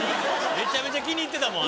めちゃめちゃ気に入ってたもん